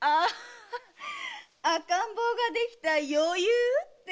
赤ん坊ができた余裕っていうの？